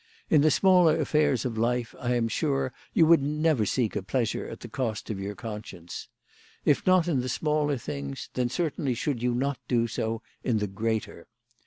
In the smaller affairs of life I am sure you would never seek a pleasure at the cost of your conscience. If not in the smaller things, then certainly should you not do so in the greater.